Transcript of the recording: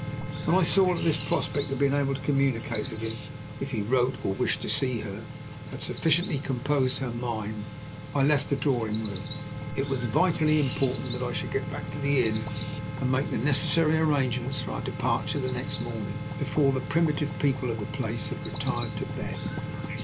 When I saw that this prospect of being able to communicate with him, if he wrote or wished to see her, had sufficiently composed her mind, I left the drawing room. It was vitally important that I should get back to the inn and make the necessary arrangements for our departure the next morning, before the primitive people of the place had retired to bed.